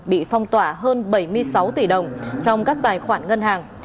bị phong tỏa hơn bảy mươi sáu tỷ đồng trong các tài khoản ngân hàng